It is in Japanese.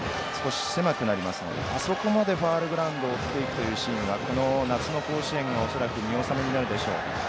少し狭くなりますのであそこまでファウルグラウンドを追っていくというシーンはこの夏の甲子園が恐らく見納めになるでしょう。